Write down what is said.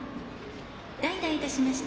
代打いたしました